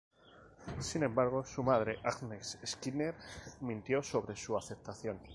Sin embargo, su madre, Agnes Skinner, mintió sobre su aceptación.